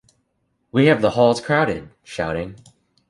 We have the halls crowded — shouting.